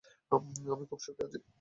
আমি খুব সুখে আছি।